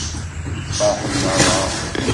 Tfeṛḥem meṛṛa.